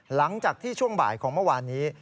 หลังจากที่ช่วงบ่ายของเมื่อวานนี้